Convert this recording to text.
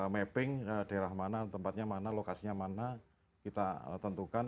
mapping daerah mana tempatnya mana lokasinya mana kita tentukan